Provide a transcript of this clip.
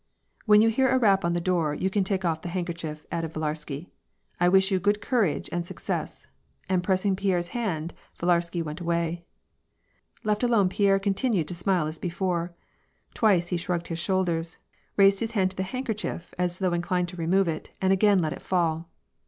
•^' When you hear a rap on the door you can take off the handkerchief," added Yillarsky. '* I wish you good courage and success." And pressing Pierre's hand, VUlarsky went away. Left alone, Pierre still continued to smile as before. Twice he shrugged his shoulders, raised his hand to the handkerchief, as though inclined to remove it, and again let it fall.